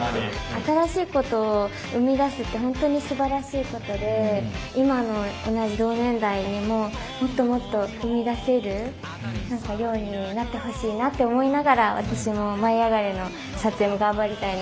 新しいことを生み出すって本当にすばらしいことで今の同じ同年代にももっともっと生み出せるようになってほしいなって思いながら私も「舞いあがれ！」の撮影も頑張りたいなって思いました。